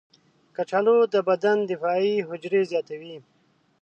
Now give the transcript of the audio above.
کچالو د بدن دفاعي حجرې زیاتوي.